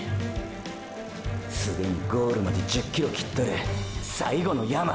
すでにゴールまで１０ｋｍ切っとる最後の山！！